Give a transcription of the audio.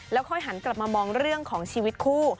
ค่อยหันกลับมามองเรื่องของชีวิตคู่